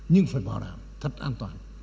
nhưng phải bảo đảm thật an toàn